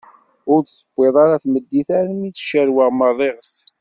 Ur d-tewwiḍ ara tmeddit armi i tt-cerweɣ merriɣet.